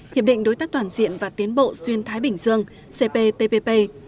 hiệp định đối tác toàn diện và tiến bộ xuyên thái bình dương cptpp